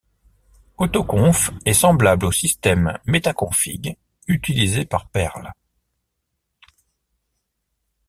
Autoconf est semblable au système Metaconfig utilisé par Perl.